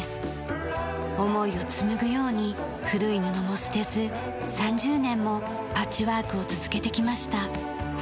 思いを紡ぐように古い布も捨てず３０年もパッチワークを続けてきました。